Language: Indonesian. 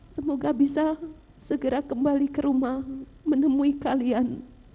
semoga bisa segera kembali ke rumah menemui kalian